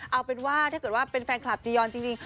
เอาเป็นว่าถ้าเกิดว่าเป็นแฟนคลับจียอนจริง